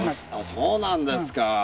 そうなんですか。